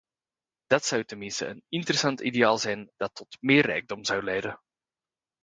Dat zou tenminste een interessanter ideaal zijn dat tot meer rijkdom zou leiden.